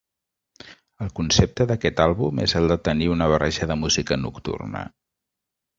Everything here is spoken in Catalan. El concepte d'aquest àlbum és el de tenir una barreja de música nocturna.